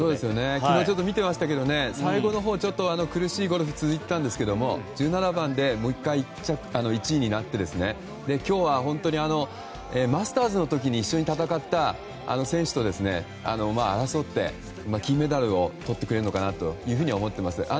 昨日見てましたけど最後のほう苦しいゴルフが続いてたんですけど１７番でもう１回、１位になって今日は本当に、マスターズの時一緒に戦った選手と争って金メダルをとってくれるのかなと思っています。